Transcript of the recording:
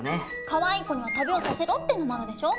「かわいい子には旅をさせろ」っていうのもあるでしょ？